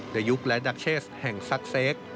ยุคและดักเชสแห่งซักเซค